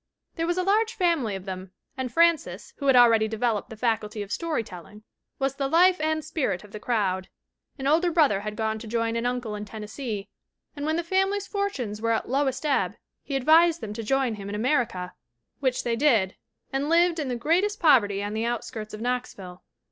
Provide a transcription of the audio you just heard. There was a large family of them, and Frances, who had already developed the faculty of story telling, was the life and spirit of the crowd. "An older brother had gone to join an uncle in Tennessee, and when the family's fortunes were at lowest ebb he advised them to join him in America, which they did, and lived in the greatest poverty on the outskirts of Knoxville.